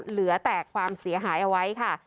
เหลือแตกความเสียหายเอาไว้ค่ะ